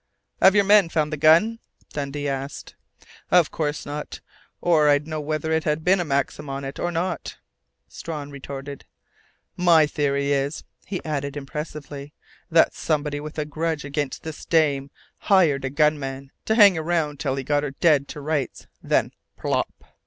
"Have your men found the gun?" Dundee asked. "Of course not, or I'd know whether it had a Maxim on it or not," Strawn retorted. "My theory is," he added impressively, "that somebody with a grudge against this dame hired a gunman to hang around till he got her dead to rights, then plop!"